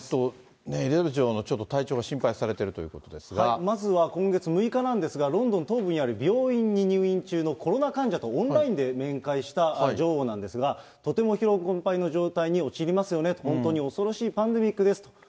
エリザベス女王の体調がちょっと心配されているということなまずは今月６日なんですが、ロンドン東部にある病院に入院中のコロナ患者とオンラインで面会した女王なんですが、とても疲労困ぱいの状態に陥りますよね、本当に恐ろしいパンデミックですと。